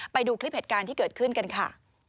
ไปดูคลิปเหตุการณ์ที่เกิดขึ้นกันค่ะ